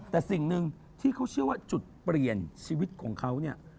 แต่สิ่งหนึ่งที่เขาเชื่อว่าจุดเปลี่ยนชีวิตของเขาเนี่ย